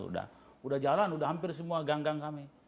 sudah jalan sudah hampir semua ganggang kami